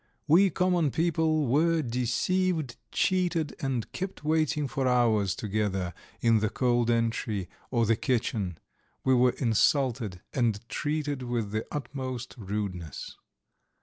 We common people were deceived, cheated, and kept waiting for hours together in the cold entry or the kitchen; we were insulted and treated with the utmost rudeness.